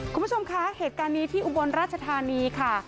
คุณผู้ชมคะเหตุการณ์นี้ที่อุบลราชธานีค่ะ